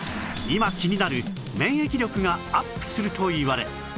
今気になる免疫力がアップするといわれ